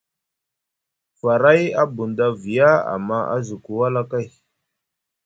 Faray a bunda viya, amma a zuku wala kay.